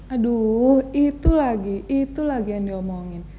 aduh itu lagi itu lagi yang diomongin